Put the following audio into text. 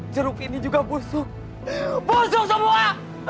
jeruk ini juga busuk busuk semua